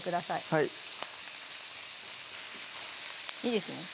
はいいいですね